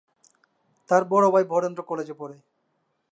তার বড় ভাই বরেন্দ্র কলেজে পড়ে।